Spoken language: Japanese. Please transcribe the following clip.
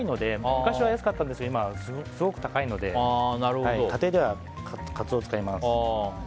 昔は安かったんですが今はすごく高いので家庭ではカツオを使います。